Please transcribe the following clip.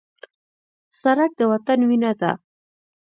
سړک د وطن وینه ده.